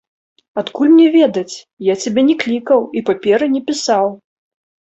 Адкуль мне ведаць, я цябе не клікаў і паперы не пісаў.